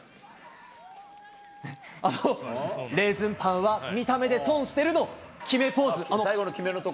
レーズンパンは見た目で損してるの決めポーズ。